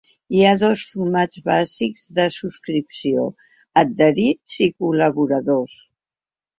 Hi ha dos formats bàsics de subscripció: adherits i col·laboradors.